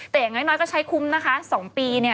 แต่อย่างน้อยก็ใช้คุ้มนะคะ๒ปี